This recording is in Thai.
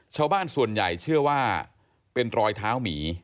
ชาวบ้านส่วนใหญ่เชื่อว่าเป็นรอยเท้าหมี